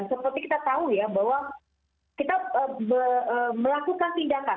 seperti kita tahu ya bahwa kita melakukan tindakan